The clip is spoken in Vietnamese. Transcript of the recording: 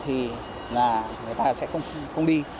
thì là người ta sẽ không đi